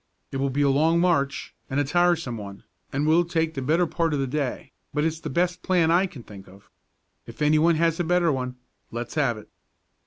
It will be a long march and a tiresome one, and will take the better part of the day; but it's the best plan I can think of. If anybody has a better one, let's have it."